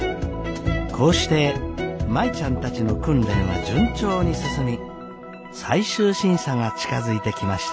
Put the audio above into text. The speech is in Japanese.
こうして舞ちゃんたちの訓練は順調に進み最終審査が近づいてきました。